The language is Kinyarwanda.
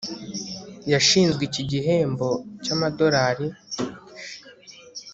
yashinzwe iki gihembo cyamadorari